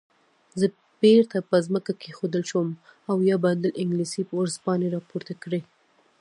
زه بیرته په ځمکه کېښودل شوم او یو بنډل انګلیسي ورځپاڼې راپورته کړې.